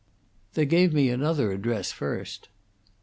"They gave me another address first."